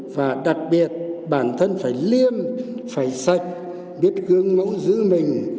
và đặc biệt bản thân phải liêm phải sạch biết gương mẫu giữ mình